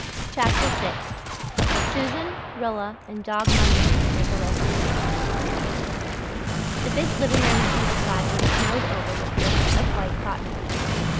CHAPTER VI SUSAN, RILLA, AND DOG MONDAY MAKE A RESOLUTION The big living room at Ingleside was snowed over with drifts of white cotton.